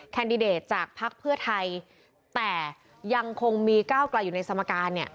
แดดิเดตจากภักดิ์เพื่อไทยแต่ยังคงมีก้าวไกลอยู่ในสมการเนี่ย